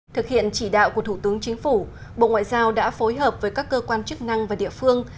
thực hiện chỉ đạo của thủ tướng chính phủ bộ ngoại giao đã phối hợp với các cơ quan chức năng và địa phương